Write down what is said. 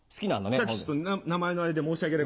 さっき名前のあれ申し訳ない。